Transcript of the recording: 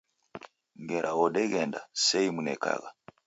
Ngera odeghenda, seimunekagha.